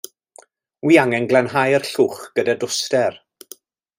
Wi angen glanhau'r llwch gyda dwster.